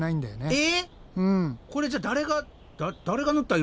え？